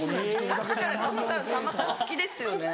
さっきからさんまさん好きですよね